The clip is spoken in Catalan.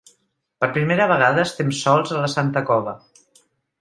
Per primera vegada estem sols a la Santa Cova.